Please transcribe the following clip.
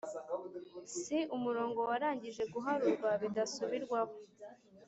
si umurongo warangije guharurwa bidasubirwaho,